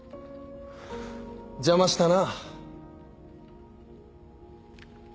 邪魔したな。